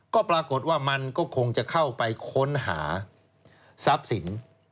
ก็ปรากฏว่ามันก็คงจะเข้าไปค้นหาทรัพย์สิน